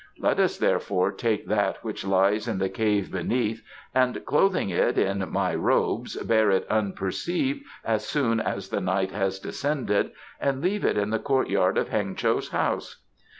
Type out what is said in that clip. Let us therefore take that which lies in the cave beneath and clothing it in my robes bear it unperceived as soon as the night has descended and leave it in the courtyard of Heng cho's house.